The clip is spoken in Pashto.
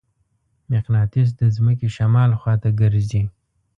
مقناطیس د ځمکې شمال خواته ګرځي.